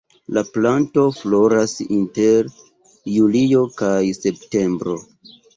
La planto floras inter julio kaj septembro.